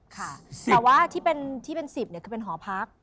ค่ะแต่ว่าที่เป็น๑๐เนี่ยคือเป็นหอพัก